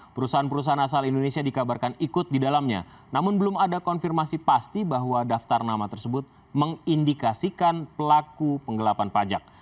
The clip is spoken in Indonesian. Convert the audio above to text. perusahaan perusahaan asal indonesia dikabarkan ikut di dalamnya namun belum ada konfirmasi pasti bahwa daftar nama tersebut mengindikasikan pelaku penggelapan pajak